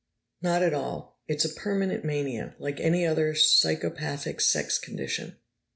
"Not at all. It's a permanent mania, like any other psychopathic sex condition."